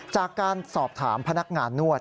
จากการสอบถามพนักงานนวด